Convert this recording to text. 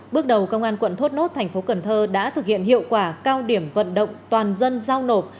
bước đầu công an quận thốt nốt tp hcm đã thực hiện hiệu quả cao điểm vận động toàn dân giao nộp